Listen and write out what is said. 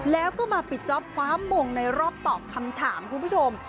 แล้วก็มาปิดจ๊อปคว้ามงในรอบตอบคำถามคุณผู้ชม